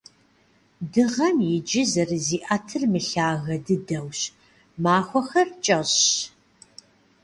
Дыгъэм иджы зэрызиӏэтыр мылъагэ дыдэущ, махуэхэр кӏэщӏщ.